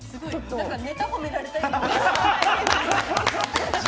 何かネタほめられたような。